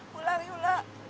pulang yuk lah